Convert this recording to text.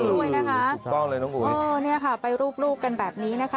ถูกต้องเลยน้องอุ๊ยนี่ค่ะไปรูปกันแบบนี้นะฮะ